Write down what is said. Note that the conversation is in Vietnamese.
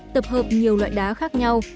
tập hợp nhiều loại đá khác nhau